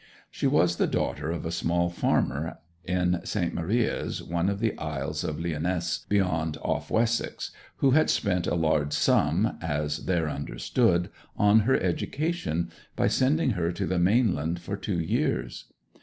She was the daughter of a small farmer in St. Maria's, one of the Isles of Lyonesse beyond Off Wessex, who had spent a large sum, as there understood, on her education, by sending her to the mainland for two years.